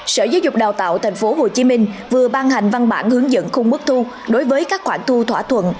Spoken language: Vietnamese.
sở giáo dục đào tạo tp hcm vừa ban hành văn bản hướng dẫn khung mức thu đối với các khoản thu thỏa thuận